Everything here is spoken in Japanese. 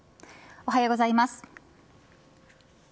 おはようございます。